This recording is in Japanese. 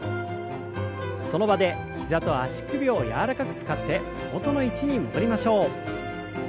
その場で膝と足首を柔らかく使って元の位置に戻りましょう。